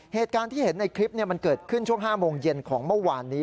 เหตุการณ์ที่เห็นในคลิปมันเกิดขึ้นช่วง๕โมงเย็นของเมื่อวานนี้